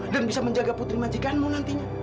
bisa menjaga putri majikanmu nantinya